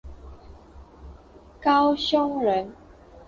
高雄人。